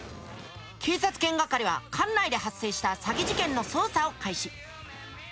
警察犬係は管内で発生した詐欺事件の捜査を開始。